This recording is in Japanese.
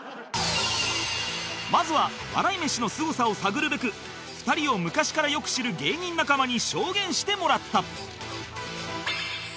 まずは笑い飯のすごさを探るべく２人を昔からよく知る芸人仲間に証言してもらった